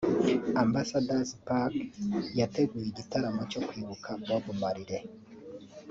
Ambassador's Park yateguye igitaramo cyo kwibuka Bob Marley